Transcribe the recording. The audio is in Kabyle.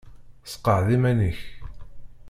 Seqɛed iman-ik.